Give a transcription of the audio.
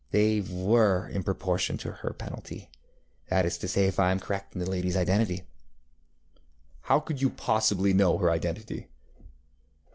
ŌĆ£They were in proportion to her penalty. That is to say, if I am correct in the ladyŌĆÖs identity. ŌĆØ ŌĆ£How could you possibly know her identity?